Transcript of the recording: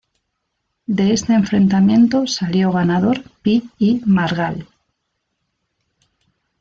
De este enfrentamiento salió ganador Pi i Margall.